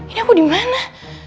ini aku dimana